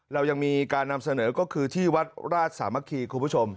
เรายังมีการนำเสนอก็คือที่วัดราชสามัคคีคุณผู้ชม